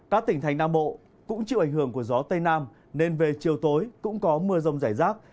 các tỉnh thành nam bộ cũng chịu ảnh hưởng của gió tây nam nên về chiều tối cũng có mưa rông rải rác